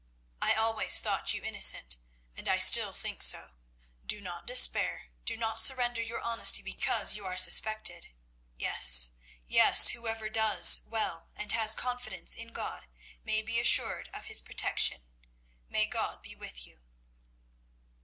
"I always thought you innocent, and I still think so. Do not despair. Do not surrender your honesty because you are suspected. Yes, yes; whosoever does well and has confidence in God, may be assured of His protection. May God be with you."